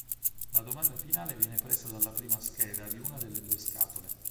La domanda finale viene presa dalla prima scheda di una delle due scatole.